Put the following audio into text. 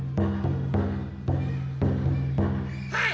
はい！